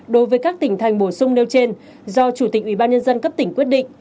đối với các tỉnh thành bổ sung nêu trên do chủ tịch ubnd cấp tỉnh quyết định